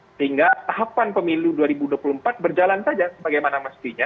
sehingga tahapan pemilu dua ribu dua puluh empat berjalan saja sebagaimana mestinya